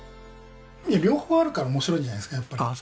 いや両方あるから面白いんじゃないですかやっぱり。